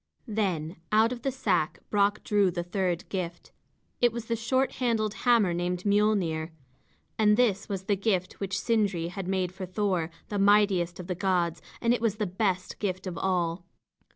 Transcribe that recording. Then out of the sack Brock drew the third gift. It was the short handled hammer named Miölnir. And this was the gift which Sindri had made for Thor, the mightiest of the gods; and it was the best gift of all.